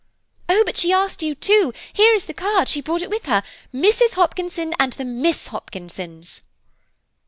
"Oh! but she asked you, too, here is the card, she brought it with her–Mrs. Hopkinson and the Miss Hopkinsons."